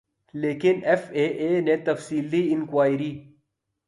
لیکن F A A نے تفصیلی انکوائری